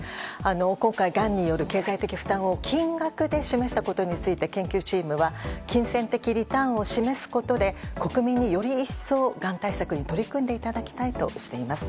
今回、がんによる経済的負担を金額で示したことについて研究チームは金銭的リターンを示すことで国民により一層がん対策に取り組んでいただきたいとしています。